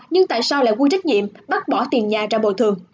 nhưng tại sao lại vui trách nhiệm bác bỏ tiền nhà ra bồi thường